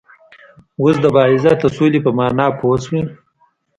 وس د باعزته سولی په معنا پوهه شوئ